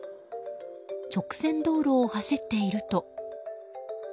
直線道路を走っていると。